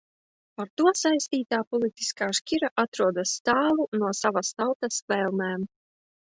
Ar to saistītā politiskā šķira atrodas tālu no savas tautas vēlmēm.